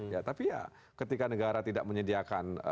ya tapi ya ketika negara tidak menyediakan